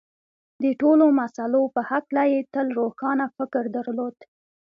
د ټولو مسألو په هکله یې تل روښانه فکر درلود